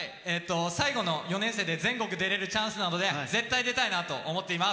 最後の４年生で全国出れるチャンスなので絶対出たいなと思っています。